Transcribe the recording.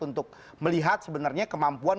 untuk melihat sebenarnya kemampuan